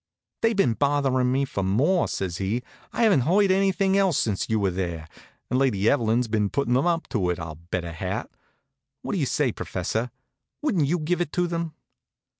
"They've been bothering me for more," says he. "I haven't heard anything else since you were there. And Lady Evelyn's been putting them up to it, I'll bet a hat. What do you say, professor? Wouldn't you give it to them?"